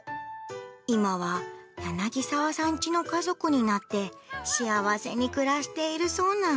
今はやなぎさわさんちの家族になって、幸せに暮らしているそうな。